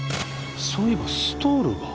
そういえばストールが。